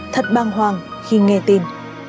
thật băng hoàng khi nghe tin